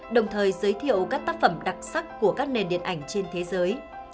đồng thời giới thiệu các tác phẩm đặc sắc của các nền điện ảnh trên thế giới